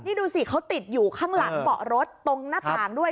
นี่ดูสิเขาติดอยู่ข้างหลังเบาะรถตรงหน้าต่างด้วย